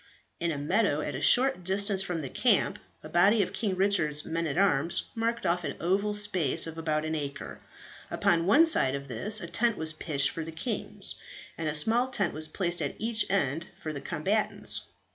In a meadow at a short distance from the camp, a body of King Richard's men at arms marked off an oval space of about an acre. Upon one side of this a tent was pitched for the kings, and a small tent was placed at each end for the combatants.